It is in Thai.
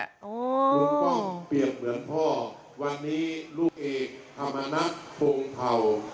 ลุงก็เปรียบเหมือนพ่อวันนี้ลูกเอกธรรมนัฐพงเผ่า